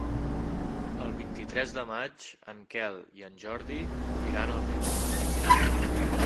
El vint-i-tres de maig en Quel i en Jordi iran al metge.